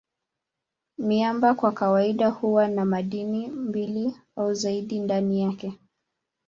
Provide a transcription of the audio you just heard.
Miamba kwa kawaida huwa na madini mbili au zaidi ndani yake.